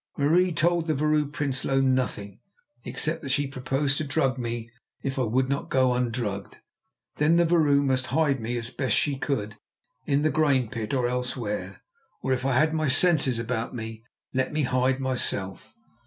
Marie told the Vrouw Prinsloo nothing, except that she proposed to drug me if I would not go undrugged. Then the vrouw must hide me as best she could, in the grain pit or elsewhere, or, if I had my senses about me, let me hide myself.